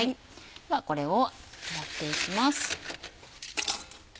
ではこれを洗っていきます。